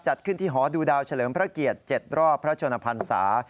จัดขึ้นที่หอดูดาวเฉลิมพระเกียรติ๗รอบพระชนพันศา